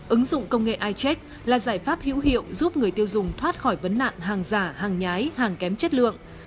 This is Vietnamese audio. ứng dụng công nghệ icheck là giải pháp hữu hiệu giúp người tiêu dùng thoát khỏi vấn nạn hàng giả hàng nhái hàng kém chất lượng